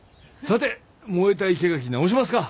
さて燃えた生け垣直しますか！